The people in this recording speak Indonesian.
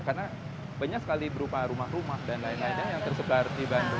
karena banyak sekali berupa rumah rumah dan lain lain yang tersebar di bandung